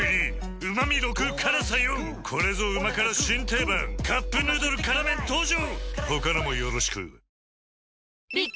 ４これぞ旨辛新定番「カップヌードル辛麺」登場！